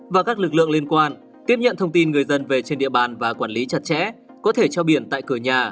và các lực lượng liên quan tiếp nhận thông tin người dân về trên địa bàn và quản lý chặt chẽ có thể treo biển tại cửa nhà